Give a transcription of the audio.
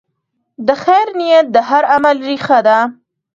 د خیر نیت د هر عمل ریښه ده.